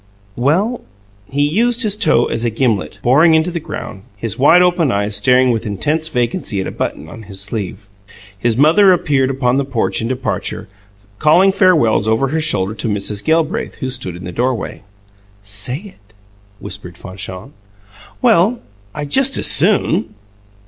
"Well " He used his toe as a gimlet, boring into the ground, his wide open eyes staring with intense vacancy at a button on his sleeve. His mother appeared upon the porch in departure, calling farewells over her shoulder to Mrs. Gelbraith, who stood in the doorway. "Say it!" whispered Fanchon. "Well, I just as SOON."